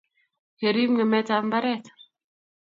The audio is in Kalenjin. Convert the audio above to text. Kerip ng'emet ab mbaret